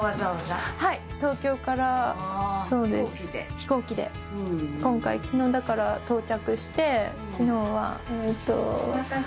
飛行機で今回昨日だから到着して昨日は。